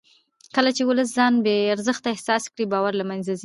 کله چې ولس ځان بې ارزښته احساس کړي باور له منځه ځي